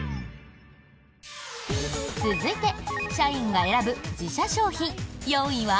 続いて社員が選ぶ自社商品、４位は。